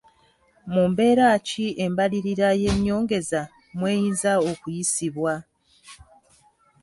Mu mbeera ki embalirira y'ennyongeza mw'eyinza okuyisibwa?